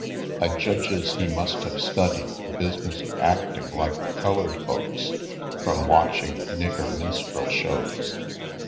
I judges he must have studied the business of acting like colored folks from watching nigger minstrel shows.